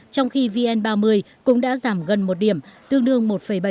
trong khi vn ba mươi cũng đã giảm gần một điểm tương đương một bảy